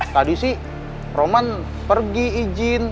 tadi sih roman pergi izin